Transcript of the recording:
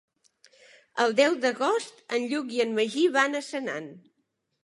El deu d'agost en Lluc i en Magí van a Senan.